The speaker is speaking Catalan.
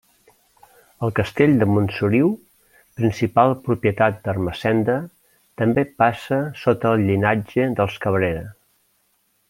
El castell de Montsoriu, principal propietat d'Ermessenda, també passa sota el llinatge dels Cabrera.